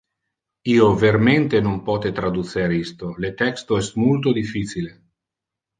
Io vermente non pote traducer isto; le texto es multo difficile.